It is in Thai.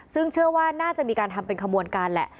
ซึ่งเชื่อว่าน่าจะมีการทำเป็นขบวนการแหละ